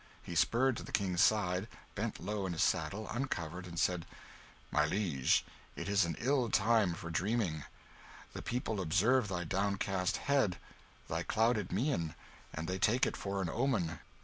He spurred to the King's side, bent low in his saddle, uncovered, and said "My liege, it is an ill time for dreaming. The people observe thy downcast head, thy clouded mien, and they take it for an omen.